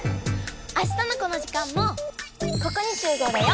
あしたのこの時間もここにしゅう合だよ！